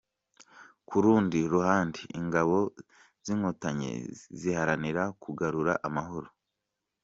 Ku rundi ruhande ingabo z’Inkotanyi ziharanira kugarura amahoro.